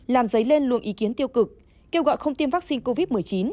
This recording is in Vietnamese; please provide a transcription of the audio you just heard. làm giấy lên luôn ý kiến tiêu cực kêu gọi không tiêm vaccine covid một mươi chín